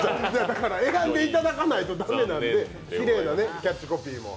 だから選んでいただかないと駄目なんできれいなキャッチコピーも。